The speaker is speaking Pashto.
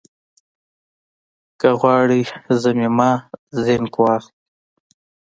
که غواړئ ضمیمه زېنک واخلئ